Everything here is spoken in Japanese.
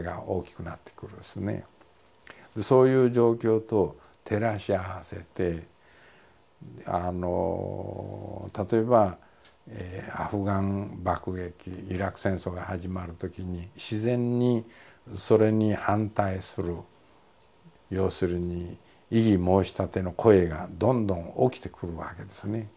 そういう状況と照らし合わせて例えばアフガン爆撃イラク戦争が始まるときに自然にそれに反対する要するに異議申し立ての声がどんどん起きてくるわけですね。